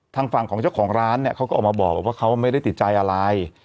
ทางฝั่งของเจ้าของร้านเนี่ยเขาก็ออกมาบอกว่าเขาไม่ได้ติดใจอะไร